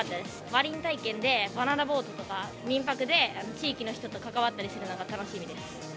マリン体験で、バナナボートとか、民泊で地域の人と関わったりするのが楽しみです。